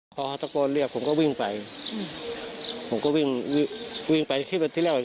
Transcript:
พอฮาตะโกนเรียกผมก็วิ่งไป